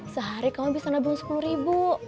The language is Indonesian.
sehari kamu bisa nabung sepuluh ribu